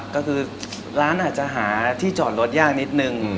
ก็คือร้านอาจจะหาที่จอดรถยากนิดนึง